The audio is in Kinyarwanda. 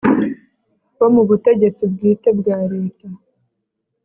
bo mu butegetsi bwite bwa leta